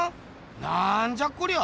なんじゃこりゃ。